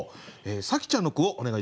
紗季ちゃんの句をお願いします。